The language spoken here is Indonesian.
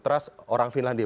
trust orang finlandia